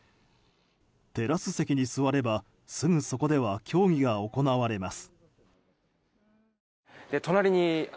テラス席に座ればすぐそこでは競技が行われます。